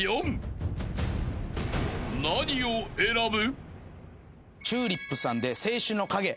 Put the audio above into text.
［何を選ぶ？］